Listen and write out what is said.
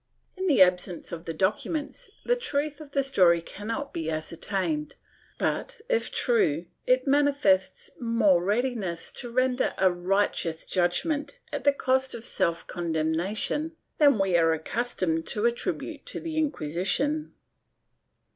In the absence of the documents the truth of the story cannot be ascertained but, if true, it manifests more readiness to render a righteous judg ment at the cost of self condemnation than we are accustomed to attribute to the Inquisition.